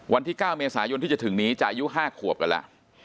วันที่๙เมษายนที่จะถึงนี้จะอายุ๕ขวบกันแล้ว